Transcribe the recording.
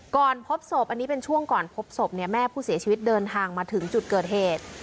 พบศพอันนี้เป็นช่วงก่อนพบศพเนี่ยแม่ผู้เสียชีวิตเดินทางมาถึงจุดเกิดเหตุ